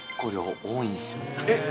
多いんですか？